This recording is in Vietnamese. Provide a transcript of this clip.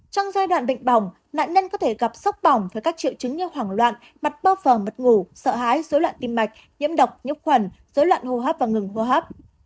trong giai đoạn bệnh bỏng nạn nhân có thể gặp sốc bỏng với các triệu chứng như hoảng loạn mặt bo phở mất ngủ sợ hãi dối loạn tim mạch nhiễm độc nhiễm khuẩn dối loạn hô hấp và ngừng hô hấp